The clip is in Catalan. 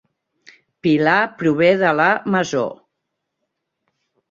Pilar prové de la Masó